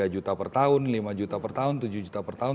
tiga juta per tahun lima juta per tahun tujuh juta per tahun